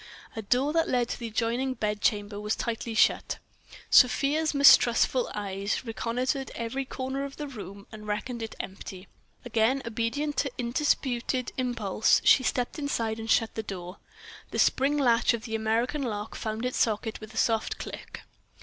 A door that led to the adjoining bedchamber was tightly shut. Sofia's mistrustful eyes reconnoitred every corner of the room, and reckoned it empty. Again obedient to undisputed impulse, she stepped inside and shut the door. The spring latch of the American lock found its socket with a soft click.